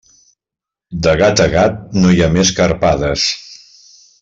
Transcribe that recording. De gat a gat no hi ha més que arpades.